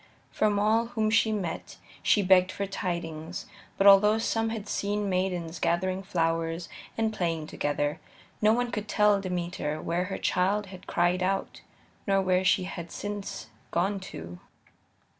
From all whom she met she begged for tidings, but although some had seen maidens gathering flowers and playing together, no one could tell Demeter why her child had cried out nor where she had since gone to.